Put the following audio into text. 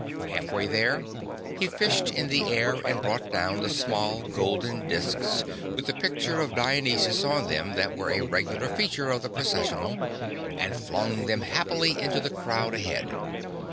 Halfway there, he fished in the air and brought down the small golden disks with the picture of Dionysus on them that were a regular feature of the Processional, and flung them happily into the crowd ahead.